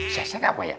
sesek apa ya